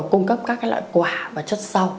cung cấp các loại quả và chất rau